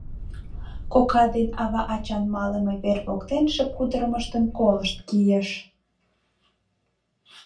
Кока ден ава-ачан малыме вер воктен шып кутырымыштым колышт кийыш.